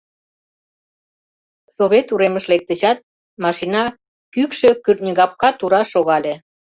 Совет уремыш лектычат, машина кӱкшӧ кӱртньыгапка тура шогале.